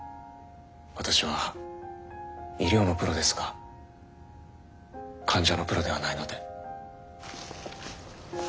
私は医療のプロですが患者のプロではないので。